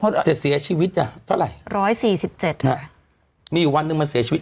อาจจะเสียชีวิตอ่ะเท่าไหร่ร้อยสี่สิบเจ็ดค่ะมีอยู่วันหนึ่งมันเสียชีวิต